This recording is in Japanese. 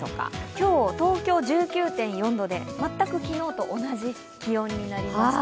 今日、東京１９．４度で全く昨日と同じ気温になりました。